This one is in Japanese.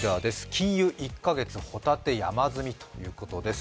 禁輸１か月、ホタテ山積みということです。